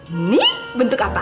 ini bentuk apa